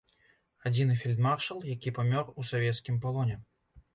Адзіны фельдмаршал, які памёр у савецкім палоне.